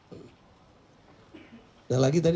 ada lagi tadi tupang